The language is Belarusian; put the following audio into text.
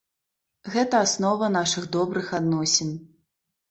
Гэта аснова нашых добрых адносін.